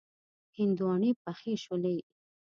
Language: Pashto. هندواڼی پخې شولې.